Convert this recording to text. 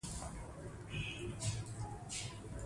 مکالمې د کلتور انعکاس کوي.